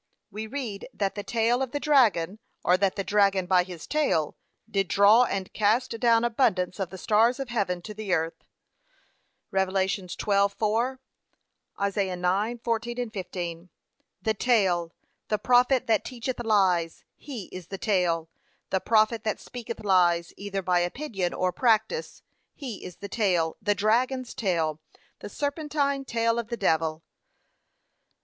We read that the tail of the dragon, or that the dragon by his tail, did draw and cast down abundance of the stars of heaven to the earth. (Rev. 12:4; Isa. 9:14, 15) The tail! 'The prophet that teacheth lies, he is the tail.' The prophet that speaketh lies, either by opinion or practice, he is the tail, the dragons's tail, the serpentine tail of the devil.